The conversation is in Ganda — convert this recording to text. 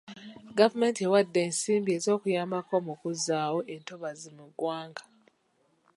Gavumenti ewadde ensimbi ez'okuyambako mu kuzzaawo entobazi mu ggwanga.